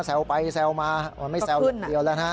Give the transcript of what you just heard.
แซวไปแซวมาไม่แซวเดียวแล้วนะฮะ